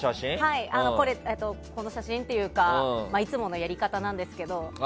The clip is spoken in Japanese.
この写真というかいつものやり方なんですが。